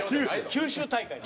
九州大会？